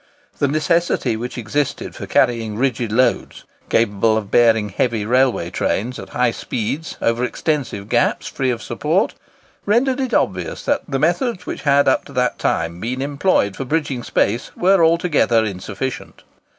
The necessity which existed for carrying rigid roads, capable of bearing heavy railway trains at high speeds, over extensive gaps free of support, rendered it obvious that the methods which had up to that time been employed for bridging space were altogether insufficient.